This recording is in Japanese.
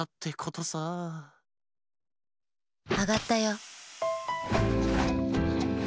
あがったよ。